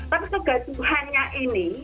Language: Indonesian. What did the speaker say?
tapi kegaduhannya ini